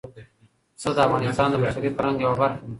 پسه د افغانستان د بشري فرهنګ یوه برخه ده.